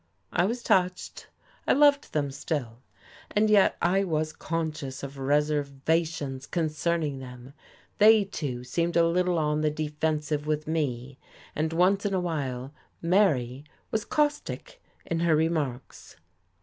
I was touched. I loved them still, and yet I was conscious of reservations concerning them. They, too, seemed a little on the defensive with me, and once in a while Mary was caustic in her remarks.